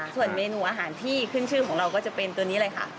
ส่วนเมนูอาหารที่ขึ้นชื่อของเราก็จะเป็นตัวนี้เลยค่ะ